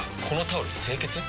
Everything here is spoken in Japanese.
このタオル清潔？